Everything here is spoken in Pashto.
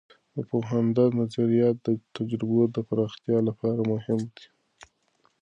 د پوهاند نظریات د تجربو د پراختیا لپاره مهم دي.